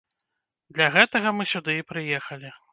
Для гэтага мы сюды і прыехалі.